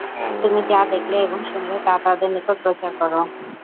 তুমি যা দেখলে এবং শুনলে তা তাদের নিকট প্রচার কর।